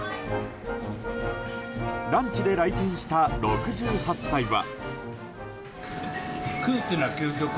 ランチで来店した６８歳は。